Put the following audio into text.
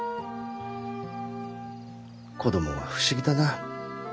子供は不思議だな。